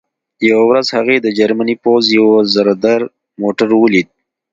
یوه ورځ هغې د جرمني پوځ یو زرهدار موټر ولید